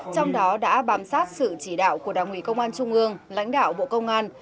trong đó đã bám sát sự chỉ đạo của đảng ủy công an trung ương lãnh đạo bộ công an